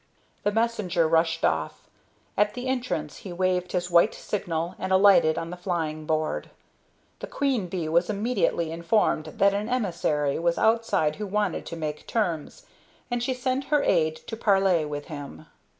The messenger rushed off. At the entrance he waved his white signal and alighted on the flying board. The queen bee was immediately informed that an emissary was outside who wanted to make terms, and she sent her aide to parley with him.